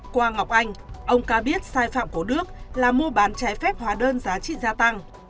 qua ngọc anh ông ca biết sai phạm của đức là mua bán trái phép hóa đơn giá trị gia tăng